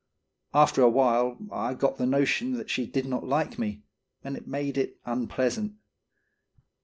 After a while, I got the notion that she did not like me, and it made it unpleasant.